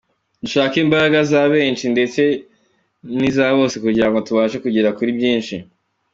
Dushake imbaraga za benshi ndetse n’iza bose kugira ngo tubashe kugera kuri byinshi.